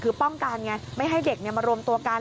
คือป้องกันไงไม่ให้เด็กมารวมตัวกัน